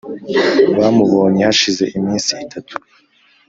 Bamubonye hashize iminsi itatu